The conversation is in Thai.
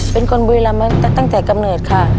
เป็นคนบุรีละมั้งแต่ตั้งแต่กำเนิดค่ะ